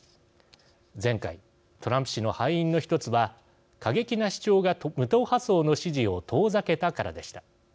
前回トランプ氏の敗因の一つは過激な主張が無党派層の支持を遠ざけたからでした。